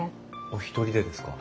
お一人でですか？